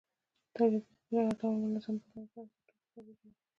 تولیدونکي له هر ډول منظمې برنامې پرته توکي تولیدوي